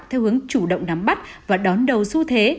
theo hướng chủ động nắm bắt và đón đầu xu thế